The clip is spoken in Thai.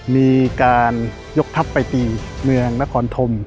มีการยกทัพไปตีเมืองนครธม